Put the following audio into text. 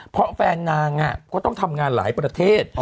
เพราะแฟนนางก็ต้องทำงานหลายประเทศ